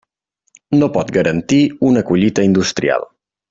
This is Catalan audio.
No pot garantir una collita industrial.